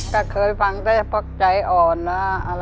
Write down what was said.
ก็เคยฟังได้พวกใจอ่อนนะ